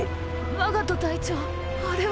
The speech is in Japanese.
マガト隊長あれは。